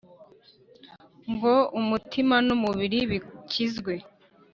Ngo umutima n'umubiri bikizwe